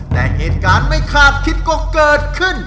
แต่เหตุการณ์ไม่คาดคิดก็เกิดขึ้น